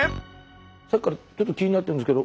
さっきからちょっと気になってるんですけど